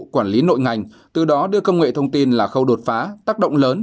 quản lý nội ngành từ đó đưa công nghệ thông tin là khâu đột phá tác động lớn